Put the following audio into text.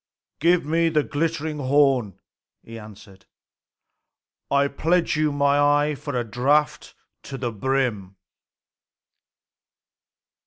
"Give me the glittering horn," he answered. "I pledge you my eye for a draught to the brim."